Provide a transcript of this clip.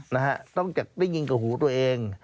นะฮะต้องจากได้ยินกับหูตัวเอง